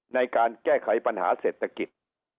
ในการแก้ไขปัญหาเศรษฐกิจ